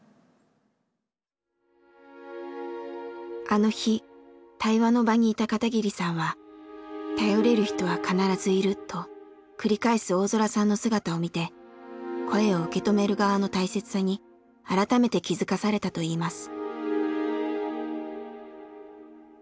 あの日対話の場にいた片桐さんは「頼れる人は必ずいる」と繰り返す大空さんの姿を見て声を受け止める側の大切さに改めて気付かされたといいます。